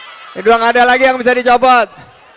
doang ada lagi yang bisa dicopot